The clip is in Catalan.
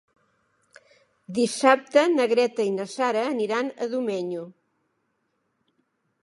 Dissabte na Greta i na Sara aniran a Domenyo.